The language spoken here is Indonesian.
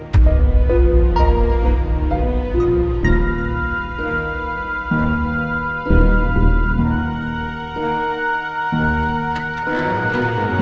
video yang selanjutnya